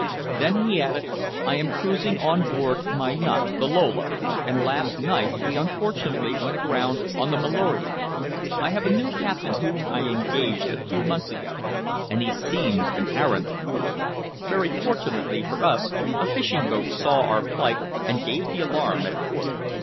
Then he added: "I am cruising on board my yacht, the Lola, and last night we unfortunately went aground on the Meloria. I have a new captain whom I engaged a few months ago, and he seems an arrant fool. Very fortunately for us a fishing boat saw our plight and gave the alarm at port.